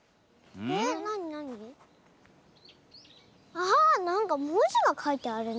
あっなんかもじがかいてあるね。